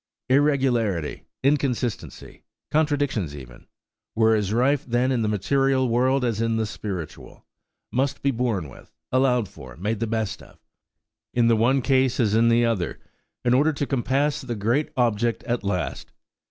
... Irregularity–inconsistency–contradictions even,–were as rife then in the material world as in the spiritual;–must be borne with–allowed for–made the best of–in the one case as in the other, in order to compass the great object at last.